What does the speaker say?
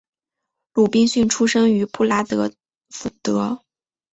鲁宾逊出生于布拉德福德。